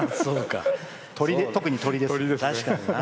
特に鳥ですね。